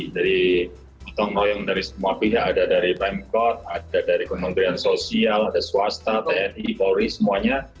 dari totong royong dari semua pihak ada dari pemkot ada dari kementerian sosial ada swasta tni polri semuanya